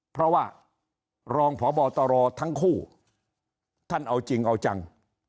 เพราะว่ารองพบตรทั้งคู่ท่านเอาจริงเอาจัง